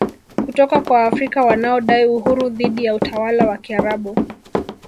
kutoka kwa Waafrika wanaodai uhuru dhidi ya utawala wa Kiarabu